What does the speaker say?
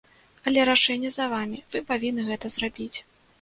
Але рашэнне за вамі, вы павінны гэта зрабіць.